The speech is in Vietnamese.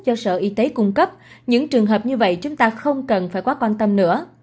do sở y tế cung cấp những trường hợp như vậy chúng ta không cần phải quá quan tâm nữa